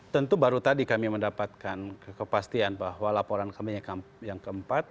tentu baru tadi kami mendapatkan kepastian bahwa laporan kami yang keempat